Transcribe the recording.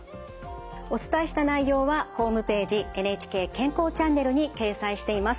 お伝えした内容はホームページ「ＮＨＫ健康チャンネル」に掲載しています。